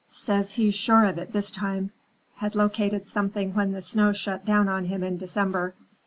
Says he's sure of it this time; had located something when the snow shut down on him in December.